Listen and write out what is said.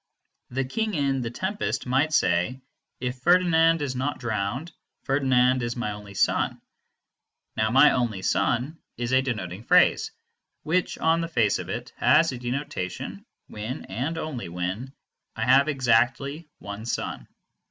The King in "The Tempest" might say, "If Ferdinand is not drowned, Ferdinand is my only son." Now "my only son" is a denoting phrase, which, on the face of it, has a denotation when, and only when, I have exactly one son.